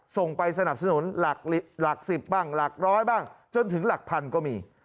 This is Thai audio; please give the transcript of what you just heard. ส่งไปสนับสนุนหลัก๑๐บ้างหลักร้อยบ้างจนถึงหลักพันก็มี